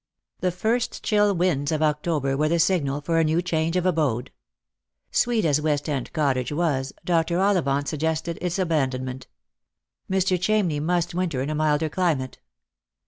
The first chill winds of October were the signal for a new change of abode. Sweet as West end Cottage was, Dr. Ollivant suggested its abandonment. Mr. Chamney must winter in a milder climate.